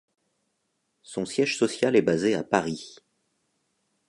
Son siège social est basé à Paris.